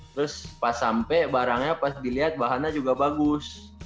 terus pas sampai barangnya pas dilihat bahannya juga bagus